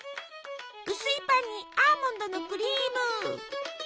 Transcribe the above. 薄いパンにアーモンドのクリーム。